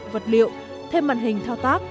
vật liệu thêm màn hình thao tác